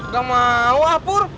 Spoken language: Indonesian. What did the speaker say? gak mau apur